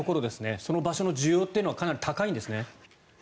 その場所の需要はかなり高いんですね。